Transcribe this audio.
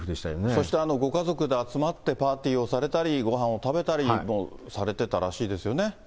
そして、ご家族で集まってパーティーをされたり、ごはんを食べたりもされてたらしいですよね。